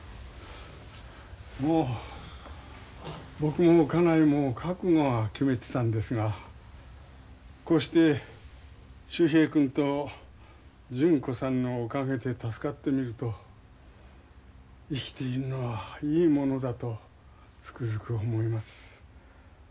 もう僕も家内も覚悟は決めてたんですがこうして秀平君と純子さんのおかげで助かってみると生きているのはいいものだとつくづく思います。